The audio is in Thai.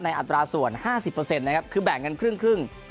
ในอัตราส่วน๕๐เปอร์เซ็นต์คือแบ่งกันครึ่ง